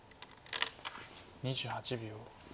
２８秒。